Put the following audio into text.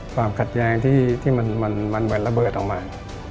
ความขัดแย้งที่มันเวลาเบิดออกมา